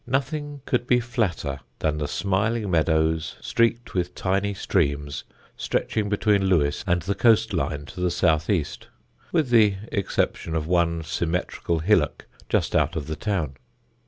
Nothing could be flatter than the smiling meadows, streaked with tiny streams, stretching between Lewes and the coast line to the south east (with the exception of one symmetrical hillock just out of the town).